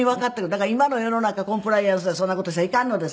だから今の世の中コンプライアンスでそんな事したらいかんのですけど。